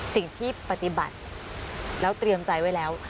สิ่งที่ปฏิบัติแล้วเตรียมใจไว้แล้ว